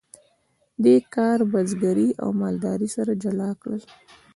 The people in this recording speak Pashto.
دې کار بزګري او مالداري سره جلا کړل.